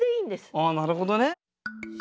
ああなるほどね。